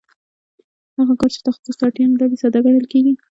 هغه کار چې تخصص ته اړتیا نلري ساده ګڼل کېږي